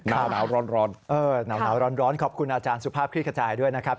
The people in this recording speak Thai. นาวร้อนขอบคุณอาจารย์สุภาพคลิกกระจายด้วยนะครับ